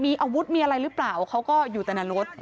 มีอาวุธมีอะไรหรือเปล่าเขาก็อยู่แต่ในรถ